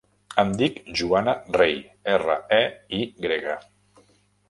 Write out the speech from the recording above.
Em dic Joana Rey: erra, e, i grega.